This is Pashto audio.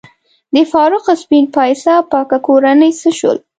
د فاروق سپین پایڅه پاکه کورنۍ څه شول؟